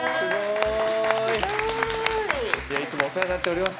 いつもお世話になっております。